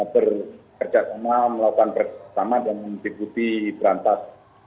berkerja sama melakukan persisama dan mengikuti berantas